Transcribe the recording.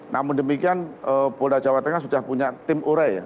namun demikian polda jawa tengah sudah punya tim ure ya